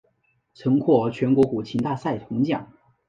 曾获全国古琴大赛铜奖。